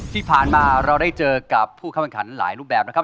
ที่ผ่านมาเราได้เจอกับผู้เข้าแข่งขันหลายรูปแบบนะครับ